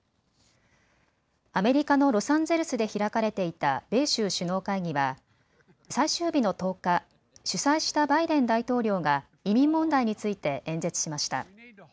アメリカのロサンゼルスで開かれていた米州首脳会議は最終日の１０日、主催したバイデン大統領が移民問題について演説しました。